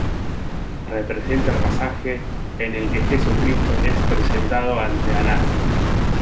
Representa el pasaje en el que Jesucristo es presentado ante Anás.